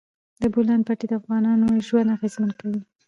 د بولان پټي د افغانانو ژوند اغېزمن کوي.